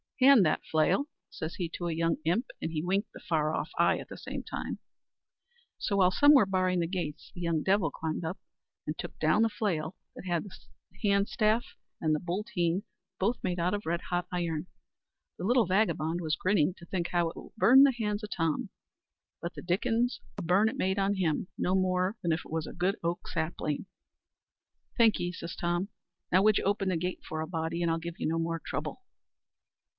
Hand that flail," says he to a young imp; and he winked the far off eye at the same time. So, while some were barring the gates, the young devil climbed up, and took down the flail that had the hand staff and booltheen both made out of red hot iron. The little vagabond was grinning to think how it would burn the hands o' Tom, but the dickens a burn it made on him, no more nor if it was a good oak sapling. "Thankee," says Tom. "Now would you open the gate for a body, and I'll give you no more trouble."